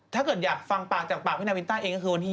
ถ้าเกิดอยากฟังปากจากปากพี่นาวินต้าเองก็คือวันที่๒